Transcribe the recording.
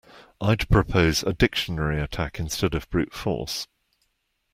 I'd propose a dictionary attack instead of brute force.